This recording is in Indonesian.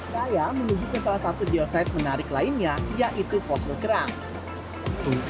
saya menuju ke salah satu geosite menarik lainnya yaitu fosil kerang